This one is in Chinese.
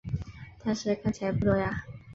但是看起来不多呀